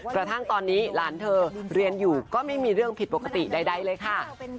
กระทั่งตอนนี้หลานเธอเรียนอยู่ก็ไม่มีเรื่องผิดปกติใดเลยค่ะ